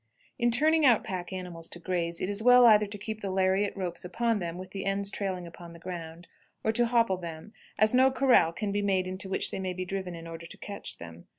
In turning out pack animals to graze, it is well either to keep the lariat ropes upon them with the ends trailing upon the ground, or to hopple them, as no corral can be made into which they may be driven in order to catch them.